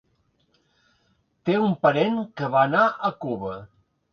Té un parent que va anar a Cuba.